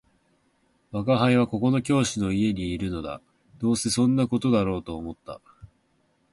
「吾輩はここの教師の家にいるのだ」「どうせそんな事だろうと思った